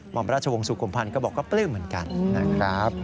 หวังว่าราชวงศ์สุขภัณฑ์ก็บอกว่าเปลืองเหมือนกันนะครับ